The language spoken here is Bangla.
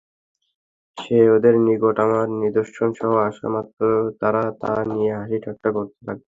সে ওদের নিকট আমার নিদর্শনসহ আসা মাত্র তারা তা নিয়ে হাসি-ঠাট্টা করতে লাগল।